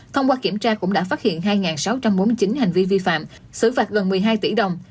thông qua kiểm tra cũng đã phát hiện hai sáu trăm bốn mươi chín hành vi vi phạm xử phạt gần một mươi hai tỷ đồng